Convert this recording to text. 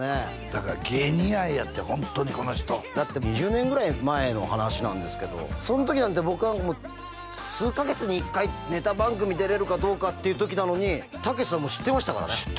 だから芸人愛やってホントにこの人だって２０年ぐらい前の話なんですけどその時なんて僕はもう数カ月に１回ネタ番組出れるかどうかっていう時なのにたけしさんはもう知ってましたからね